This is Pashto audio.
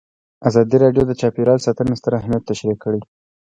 ازادي راډیو د چاپیریال ساتنه ستر اهميت تشریح کړی.